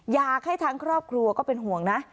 อยากให้ทางครอบครัวก็เป็นห่วงนะ